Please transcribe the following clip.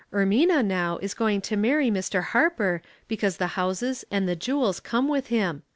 Ermina now is going to marry Mr. Harper be cause the houses and the jewels come with him.